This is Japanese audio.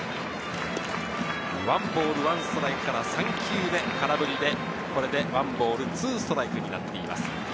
１ボール１ストライクから３球目、空振りで１ボール２ストライクになっています。